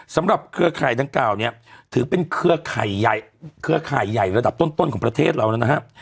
สำหรับเครือข่ายดังเก่าเนี่ยถือเป็นเครือข่ายใหญ่ระดับต้นของประเทศเรานะฮะ